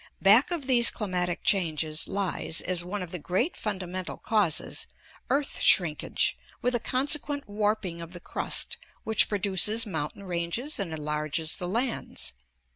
Back of these climatic changes lies, as one of the great fundamental causes, earth shrinkage, with a consequent warping of the crust which produces mountain ranges and enlarges the lands.